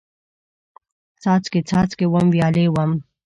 څاڅکي، څاڅکي وم، ویالې وم